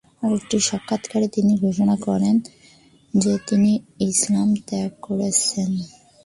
আরেকটি সাক্ষাৎকারে তিনি ঘোষণা করেন যে তিনি ইসলাম ত্যাগ করেছেন।